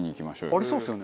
ありそうですよね